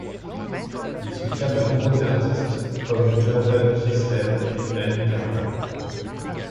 Il soutient de nombreux artistes comme Jonathan Kis-Lev et Danny Kerman.